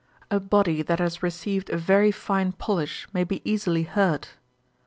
A body that has received a very fine polish may be easily hurt.